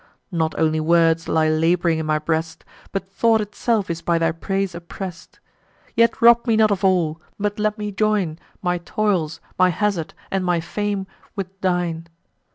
Not only words lie lab'ring in my breast, But thought itself is by thy praise oppress'd. Yet rob me not of all; but let me join My toils, my hazard, and my fame, with thine.